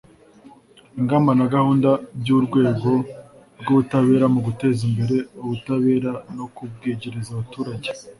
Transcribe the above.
ingamba na gahunda by'urwego rw'ubutabera mu guteza imbere ubutabera no kubwegereza abaturage